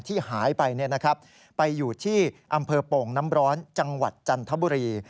ที่หายไปไปอยู่ที่อำเภอโป่งน้ำร้อนจังหวัดจันทบุรี